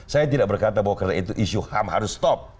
saya tidak berkata bahwa karena itu isu ham harus stop